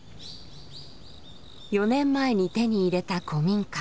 ４年前に手に入れた古民家。